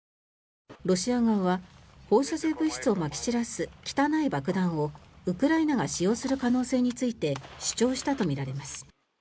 ロシア側は、放射性物質をまき散らす汚い爆弾をウクライナが使用する可能性について主張したとみられます。